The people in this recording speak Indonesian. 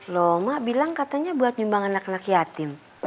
loh mak bilang katanya buat nyumbang anak anak yatim